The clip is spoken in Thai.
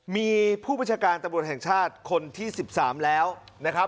มีผู้บัญชาการตำรวจแห่งชาติคนที่๑๓แล้วนะครับ